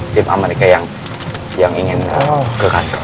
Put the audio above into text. tim amerika yang ingin ke kantong